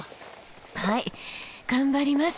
はい頑張ります。